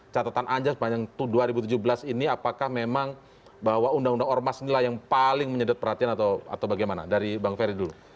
catatan anda sepanjang dua ribu tujuh belas ini apakah memang bahwa undang undang ormas inilah yang paling menyedot perhatian atau bagaimana dari bang ferry dulu